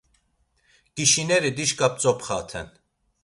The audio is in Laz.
ǩişineri dişǩa p̌tzopxaten.